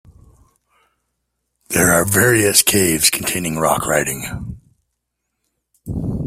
There are various caves containing rock writing.